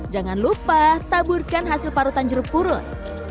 jangan lupa taburkan hasil parutan jeruk purut